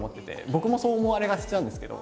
僕もそう思われがちなんですけど。